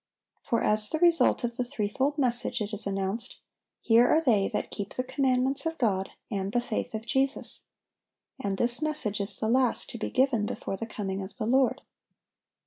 For as the result of the threefold message it is announced, "Here are they that keep the commandments of God, and the faith of Jesus." And this message is the last to be given before the coming of the Lord.